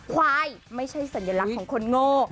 ควายไม่ใช่สัญลักษณ์ของคนโง่